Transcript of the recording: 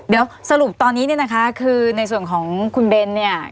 เดี๋ยวสรุปตอนนี้เนี่ยนะคะคือในส่วนของคุณเบนเนี่ย